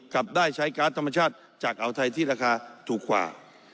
กลับได้ใช้การ์ดธรรมชาติจากอ่าวไทยที่ราคาถูกกว่า